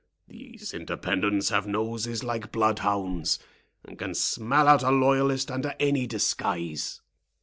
These Independents have noses like bloodhounds, and can smell out a loyalist under any disguise."